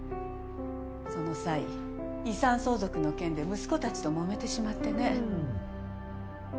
その際遺産相続の件で息子たちと揉めてしまってね。